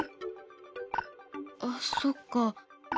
あっそっか。